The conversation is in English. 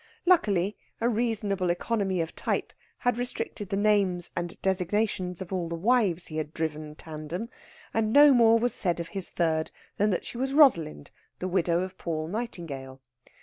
Luckily, a reasonable economy of type had restricted the names and designations of all the wives he had driven tandem, and no more was said of his third than that she was Rosalind, the widow of Paul Nightingale.